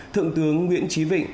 thượng tướng nguyễn trí vịnh